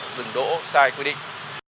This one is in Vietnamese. tình trạng dừng đỗ sai quy định